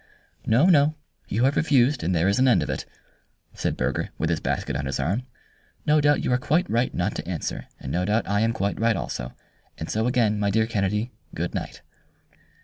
"No, no; you have refused, and there is an end of it," said Burger, with his basket on his arm. "No doubt you are quite right not to answer, and no doubt I am quite right also and so again, my dear Kennedy, good night!"